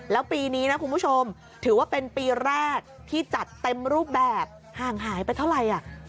แล้วปีนี้นะคุณผู้ชมถือว่าเป็นปีแรกที่จัดเต็มรูปแบบห่างหายไปเท่าไหร่